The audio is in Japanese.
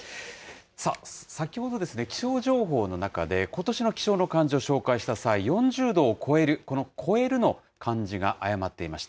さあ、先ほど、気象情報の中で、ことしの気象の漢字を紹介した際、４０度を超える、この超えるの漢字が誤っていました。